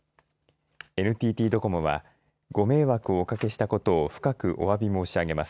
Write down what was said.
ＮＴＴドコモはご迷惑をおかけしたことを深くおわび申し上げます。